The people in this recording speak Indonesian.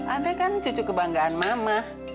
ada kan cucu kebanggaan mama